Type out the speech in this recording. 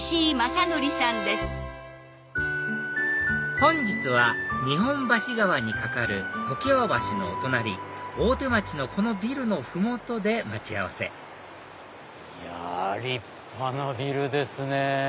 本日は日本橋川に架かる常盤橋のお隣大手町のこのビルの麓で待ち合わせ立派なビルですね。